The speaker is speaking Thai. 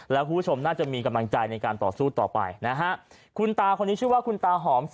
แล้วคุณผู้ชมน่าจะมีกำลังใจในการต่อสู้ต่อไปนะฮะคุณตาคนนี้ชื่อว่าคุณตาหอม